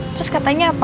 terus katanya apa